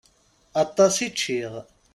Aṭas i ččiɣ.